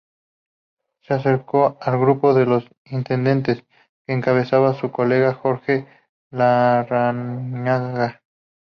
Se acercó al "Grupo de los Intendentes" que encabezaba su colega Jorge Larrañaga.